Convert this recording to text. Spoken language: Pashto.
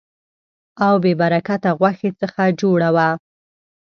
او بې برکته غوښې څخه جوړه وه.